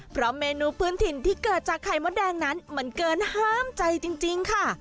เพราะเมนูพื้นถิ่นที่เกิดจากไข่มดแดงนั้นมันเกินห้ามใจจริงค่ะ